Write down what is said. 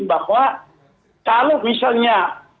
bahwa kalau misalnya